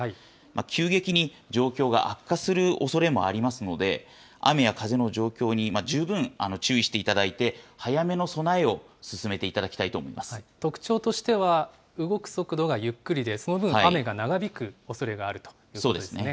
急激に状況が悪化するおそれもありますので、雨や風の状況に十分注意していただいて、早めの備えを進めていた特徴としては、動く速度がゆっくりで、その分、雨が長引くおそれがあるということですね。